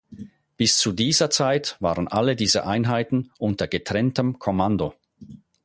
Bis zu dieser Zeit waren alle diese Einheiten unter getrenntem Kommando.